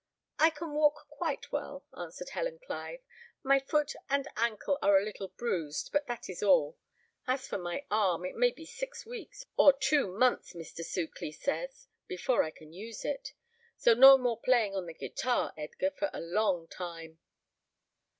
"I can walk quite well," answered Helen Clive; "my foot and ancle are a little bruised, but that is all. As for my arm, it may be six weeks, or two months, Mr. Sukely says, before I can use it; so no more playing on the guitar, Edgar, for a long time."